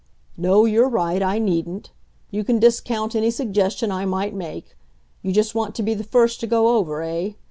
"No, you're right; I needn't. You can discount any suggestion I might make. You just want to be the first to go over, eh?